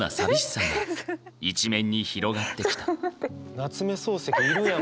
夏目漱石いるやん